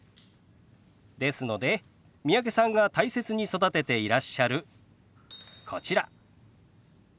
ですので三宅さんが大切に育てていらっしゃるこちら。